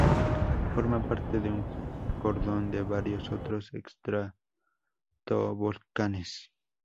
Forma parte de un cordón de varios otros estratovolcanes.